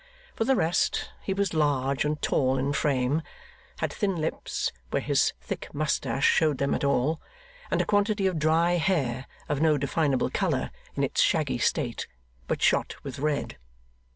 For the rest, he was large and tall in frame, had thin lips, where his thick moustache showed them at all, and a quantity of dry hair, of no definable colour, in its shaggy state, but shot with red.